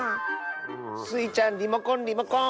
スイちゃんリモコンリモコン！